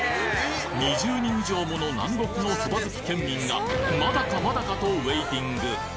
２０人以上もの南国のそば好き県民がまだかまだかとウェイティング